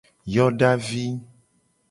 Yodavi.